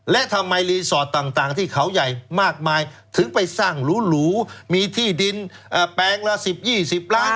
และทำไมรีสอร์ทต่างที่เขาใหญ่มากมายถึงไปสร้างหรูมีที่ดินแปลงละ๑๐๒๐ล้าน